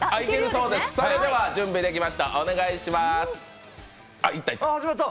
それでは準備ができました、お願いします。